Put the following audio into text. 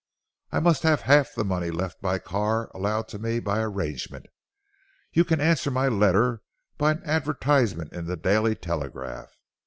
I must have half the money left by Carr allowed to me by arrangement. You can answer my letter by an advertisement in the Daily Telegraph.